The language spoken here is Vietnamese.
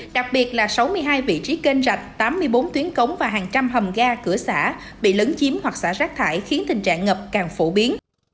đặc biệt là sáu mươi hai vị trí kênh rạch tám mươi bốn tuyến cống và hàng trăm hầm ga cửa xã bị lấn chiếm hoặc xả rác thải khiến tình trạng ngập càng phổ biến